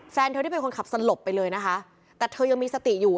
แฟนเธอที่เป็นคนขับสลบไปเลยนะคะแต่เธอยังมีสติอยู่